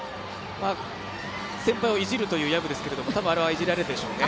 先輩をいじるという薮ですけれども、多分、あれはいじられるでしょうね。